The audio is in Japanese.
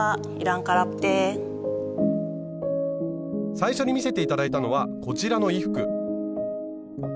最初に見せて頂いたのはこちらの衣服。